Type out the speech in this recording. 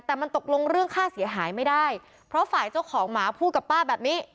แต่มันตกลงเรื่องค่าเสียหายไม่ได้เพราะฝ่ายเจ้าของหมาพูดกับป้าแบบนี้